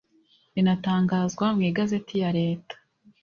rinatangazwa mu igazeti ya leta